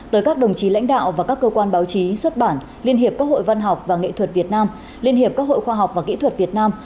tới các đồng chí lãnh đạo và các cơ quan báo chí xuất bản liên hiệp các hội văn học và nghệ thuật việt nam liên hiệp các hội khoa học và kỹ thuật việt nam